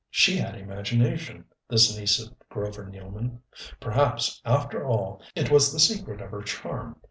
She had imagination, this niece of Grover Nealman. Perhaps, after all, it was the secret of her charm.